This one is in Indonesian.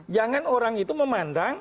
jangan orang itu memandang